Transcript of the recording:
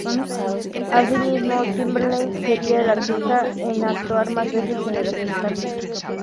Asimismo, Timberlake sería el artista en actuar más veces en el espectáculo.